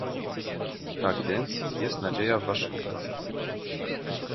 Tak więc jest nadzieja w Waszyngtonie